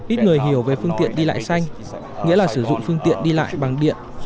ít người hiểu về phương tiện đi lại xanh nghĩa là sử dụng phương tiện đi lại bằng điện